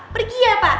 pergi ya pak